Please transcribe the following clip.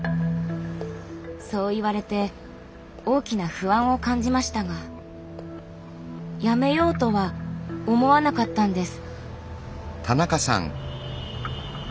そう言われて大きな不安を感じましたがやめようとは思わなかったんです。